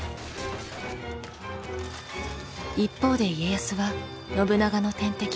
一方で家康は信長の天敵